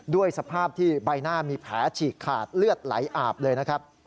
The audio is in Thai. ด้วยสภาพที่ใบหน้ามีแผลฉีกขาดเลือดไหลอาบเลยนะครับ